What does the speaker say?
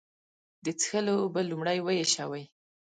د څښلو اوبه لومړی وېشوئ.